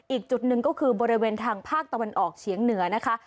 อีกจุดหนึ่งก็คือบริเวณทางภาคตะวันออกเฉียงเหนือนะคะ